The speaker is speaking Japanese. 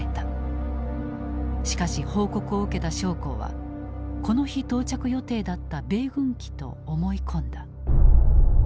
しかし報告を受けた将校はこの日到着予定だった米軍機と思い込んだ。